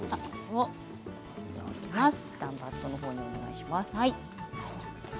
バットのほうにお願いします。